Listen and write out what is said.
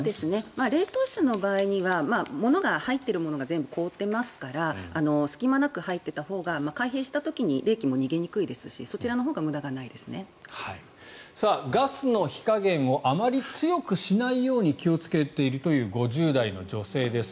冷凍室はものが入っているほうが全部凍っていますから隙間なく入っているほうが開閉した時に冷気も逃げにくいですしガスの火加減をあまり強くしないように気を付けているという５０代の女性です。